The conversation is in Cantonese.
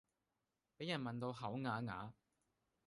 比人問到口啞啞